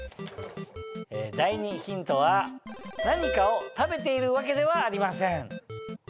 第２ヒントは何かを食べているわけではありません。